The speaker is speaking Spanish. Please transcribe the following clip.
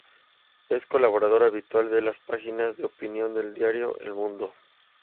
Es colaborador habitual de las páginas de opinión del diario "El Mundo".